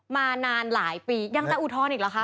มานานหลายปียังต้องอุทธนอีกหรือครับ